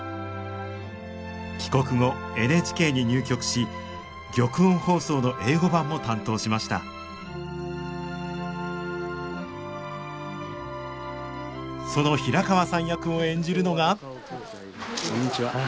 帰国後ＮＨＫに入局し玉音放送の英語版も担当しましたその平川さん役を演じるのがこんにちは。